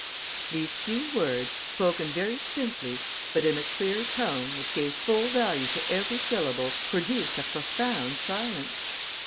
These few words, spoken very simply, but in a clear tone which gave full value to every syllable, produced a profound silence.